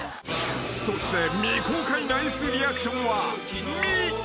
［そして未公開ナイスリアクションは「ミ」］